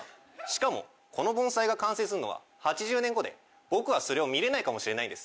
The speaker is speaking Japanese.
しかもこの盆栽が完成するのは８０年後で僕はそれを見れないかもしれないんです。